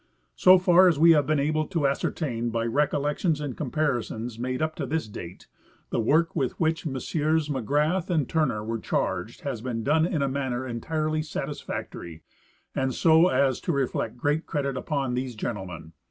So far as we have been able to ascertain by recollections and comparisons made up to this date, the work with which Messrs McGrath and Turner were charged has been done in a manner entirely satisfactory and so as to reflect great credit u]Don these gentlemen.